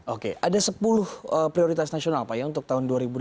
oke ada sepuluh prioritas nasional pak ya untuk tahun dua ribu delapan belas